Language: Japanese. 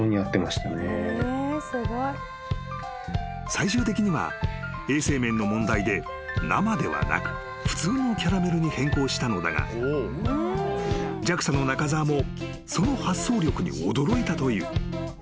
［最終的には衛生面の問題で生ではなく普通のキャラメルに変更したのだがＪＡＸＡの中沢もその発想力に驚いたという］